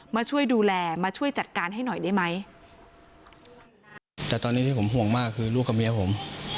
มาช่วยดูแลมาช่วยจัดการให้หน่อยได้ไหม